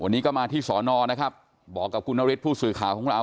วันนี้ก็มาที่สอนอนะครับบอกกับคุณนฤทธิผู้สื่อข่าวของเรา